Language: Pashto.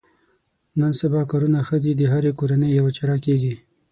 نن سبا کارونه ښه دي د هرې کورنۍ یوه چاره کېږي.